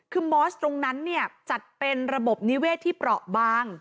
คือมอสตรงนั้นเนี่ยจัดเป็นระบบนิเวศที่เปราะบาง